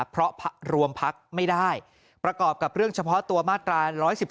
เพราะรวมพักไม่ได้ประกอบกับเรื่องเฉพาะตัวมาตรา๑๑๒